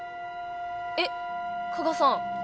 えっ加賀さん